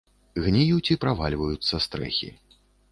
Гніюць і правальваюцца стрэхі.